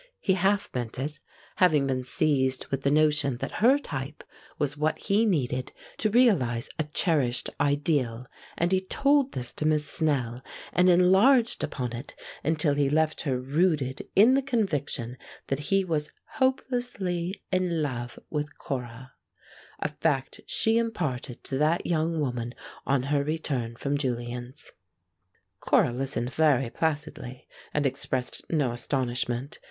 He half meant it, having been seized with the notion that her type was what he needed to realize a cherished ideal, and he told this to Miss Snell, and enlarged upon it until he left her rooted in the conviction that he was hopelessly in love with Cora a fact she imparted to that young woman on her return from Julian's. Cora listened very placidly, and expressed no astonishment.